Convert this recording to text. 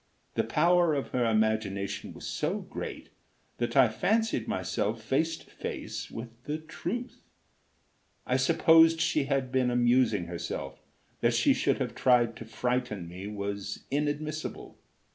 The power of her imagination was so great that I fancied myself face to face with the truth. I supposed she had been amusing herself; that she should have tried to frighten me was inadmissible.